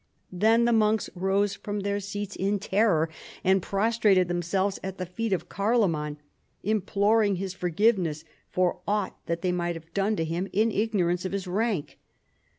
Then the monks rose from their seats in terror and pros trated themselv^es at the feet of Carloman, imploring his forgiveness for aught that they might have done to him in ignorance of Jiis rank.